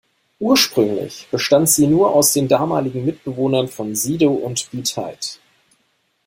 Ursprünglich bestand sie nur aus den damaligen Mitbewohnern von Sido und B-Tight.